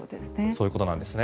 そういうことなんです。